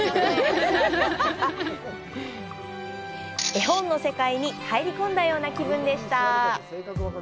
絵本の世界に入り込んだような気分でした。